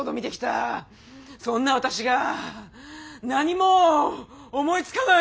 そんな私が何も思いつかない！